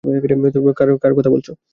কার কথা বলছ?